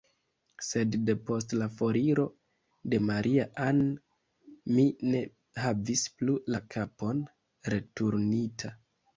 Sed, depost la foriro de Maria-Ann, mi ne havis plu la kapon returnita.